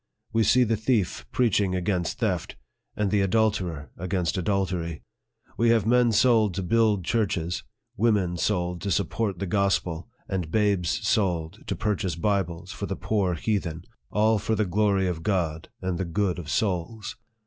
We see the thief preaching against theft, and the adulterer against adultery. We have men sold to build churches, women sold to support the gospel, and babes sold to purchase Bibles for the poor heathen I all for the glory of God and the good of souls